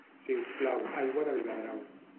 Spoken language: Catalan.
Si us plau, aigua de Viladrau.